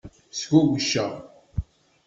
Sgugceɣ.